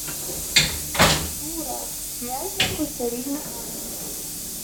— Тура, князя косарів луганських.